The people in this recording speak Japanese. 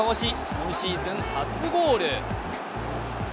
今シーズン初ゴール。